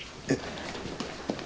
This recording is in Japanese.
えっ？